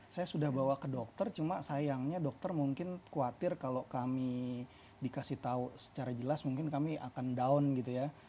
saya sudah bawa ke dokter cuma sayangnya dokter mungkin khawatir kalau kami dikasih tahu secara jelas mungkin kami akan down gitu ya